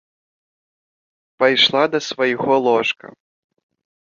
Пайшла да свайго ложка.